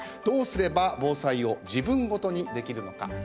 どうすれば防災を自分ごとにできるのか。